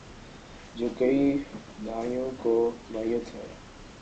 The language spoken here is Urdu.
جو کئی دھائیوں کو محیط ہے۔